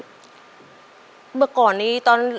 ขอเชิญแม่จำรูนขึ้นมาต่อชีวิตเป็นคนต่อชีวิต